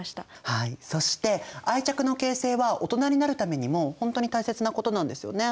はいそして愛着の形成は大人になるためにも本当に大切なことなんですよね？